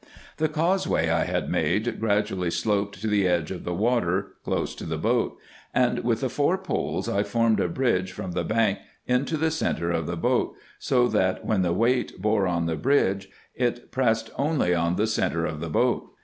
The causeway I had made gradually sloped to the edge of the water close to the boat, and with the four poles I formed a bridge from the bank into the centre of the boat, so that when the weight bore on the bridge, it pressed only on the centre of the boat.